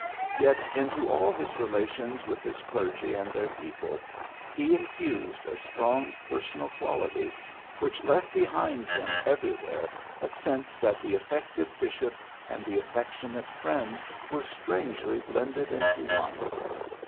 Yet into all his relations with his clergy and their people he infused a strong personal quality, which lefb behind him every PHILLIPS BEOOKS 105 where a sense that the effective bishop and the affectionate friend were strangely blended into one.